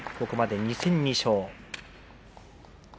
ここまで２戦２勝。